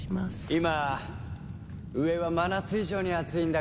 今上は真夏以上に暑いんだが。